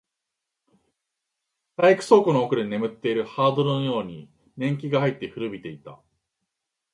体育倉庫の奥で眠っているハードルのように年季が入って、古びていた